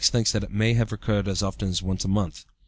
thinks that it may have recurred as often as once a month.